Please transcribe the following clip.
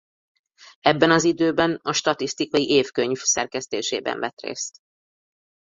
Ebben az időben a statisztikai évkönyv szerkesztésében vett részt.